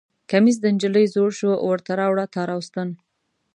کمیس د نجلۍ زوړ شو ورته راوړه تار او ستن